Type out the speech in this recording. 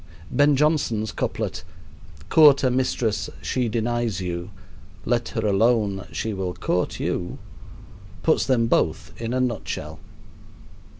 Ben Jonson's couplet "Court a mistress, she denies you; Let her alone, she will court you" puts them both in a nutshell.